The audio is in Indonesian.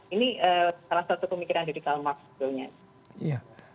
ini salah satu pemikiran dari karl marx